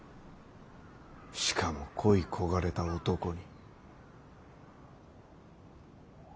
しかも恋い焦がれた男に。